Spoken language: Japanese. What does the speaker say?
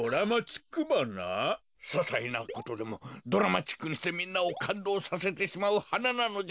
ささいなことでもドラマチックにしてみんなをかんどうさせてしまうはななのじゃ。